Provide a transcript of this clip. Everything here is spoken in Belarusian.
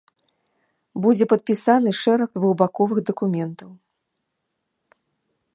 Будзе падпісаны шэраг двухбаковых дакументаў.